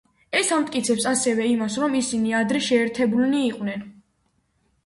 ეს ამტკიცებს, ასევე, იმას, რომ ისინი ადრე შეერთებულნი იყვნენ.